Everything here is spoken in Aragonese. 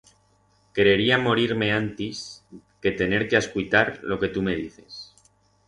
Querería morir-me antis que tener que ascuitar lo que tu me dices.